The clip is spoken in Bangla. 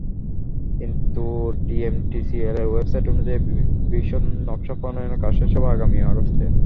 কিন্তু ডিএমটিসিএলের ওয়েবসাইট অনুযায়ী, বিশদ নকশা প্রণয়নের কাজ শেষ হবে আগামী আগস্টে।